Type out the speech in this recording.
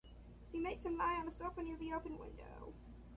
She makes him lie on a sofa near the open window.